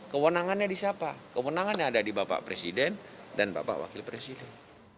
kewenangannya di siapa kewenangannya ada di bapak presiden dan bapak wakil presiden